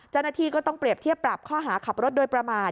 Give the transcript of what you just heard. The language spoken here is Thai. เจ้าหน้าที่ก็ต้องเปรียบเทียบปรับข้อหาขับรถโดยประมาท